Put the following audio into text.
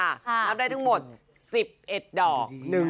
นับได้ทั้งหมด๑๑ดอก